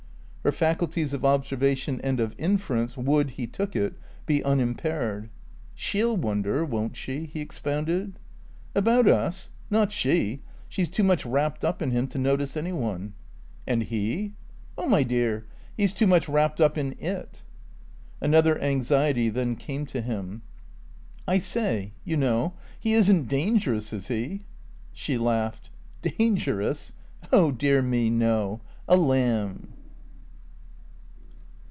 Her faculties of observation and of inference would, he took it, be unimpaired. "She'll wonder, won't she?" he expounded. "About us? Not she. She's too much wrapped up in him to notice anyone." "And he?" "Oh, my dear He's too much wrapped up in it." Another anxiety then came to him. "I say, you know, he isn't dangerous, is he?" She laughed. "Dangerous? Oh dear me, no! A lamb."